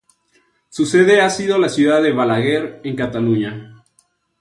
Su sede ha sido la ciudad de Balaguer en Cataluña.